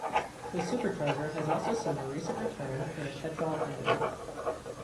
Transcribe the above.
The supercharger has also seen a recent return in a petrol engine.